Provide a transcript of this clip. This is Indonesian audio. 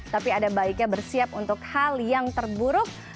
tapi ada baiknya bersiap untuk hal yang terburuk